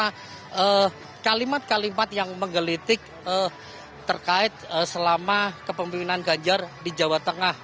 dan juga ada kalimat kalimat yang menggelitik terkait selama kepimpinan ganjar di jawa tengah